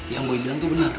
yang gue bilang itu benar